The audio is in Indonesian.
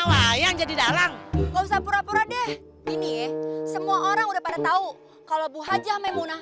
sayang jadi dalang mau sapura pura deh ini semua orang udah pada tahu kalau bu haja memunah